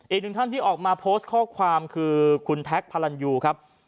อีกหนึ่งท่านที่ออกมาโพสต์ข้อความคือคุณแท็กพารันยูครับ